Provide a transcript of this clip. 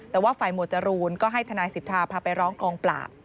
แต่ว่าฝ่ายหมวดจรูนก็ให้ทนายสิทธาพาไปร้องกองปราบ